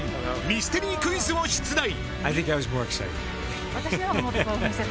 ミステリークイズを出題